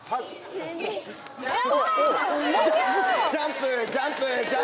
ジャンプジャンプジャンプジャンプ！